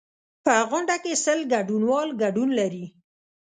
په غونډه کې سل ګډونوال ګډون لري.